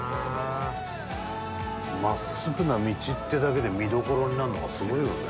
真っすぐな道ってだけで見どころになるのがすごいよね。